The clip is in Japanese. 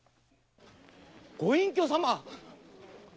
ご隠居様！